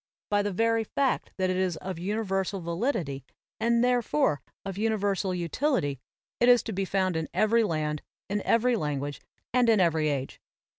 By the very fact that it is of universal validity, and therefore of universal utility, it is to be found in every land, in every language and in every age.